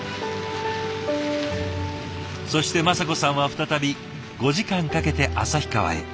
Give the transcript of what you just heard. そして雅子さんは再び５時間かけて旭川へ。